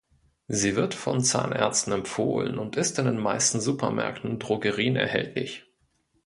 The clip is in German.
Sie wird von Zahnärzten empfohlen und ist in den meisten Supermärkten und Drogerien erhältlich.